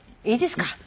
「いいですか？」